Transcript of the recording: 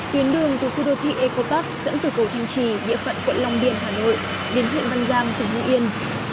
tuyến đường từ khu đô thị eco park dẫn từ cầu thanh trì địa phận quận long biên hà nội đến huyện văn giang tỉnh hưng yên